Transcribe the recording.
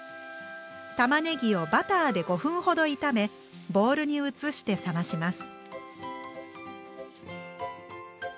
たまねぎをバターで５分ほど炒めボウルに移して冷まします。